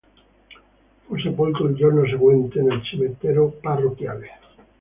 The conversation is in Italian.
Fu sepolto il giorno seguente, nel cimitero parrocchiale.